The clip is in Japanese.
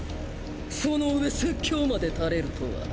そのうえ説教までたれるとは。